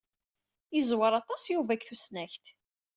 Yeẓwer aṭas Yuba deg tusnakt.